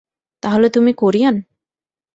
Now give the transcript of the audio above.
তাহলে তুমি কোরিয়ান?